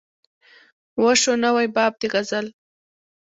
وا شو نوی باب د غزل